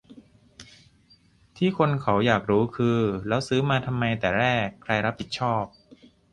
ที่คนเขาอยากรู้คือ แล้วซื้อมาทำไมแต่แรก ใครรับผิดชอบ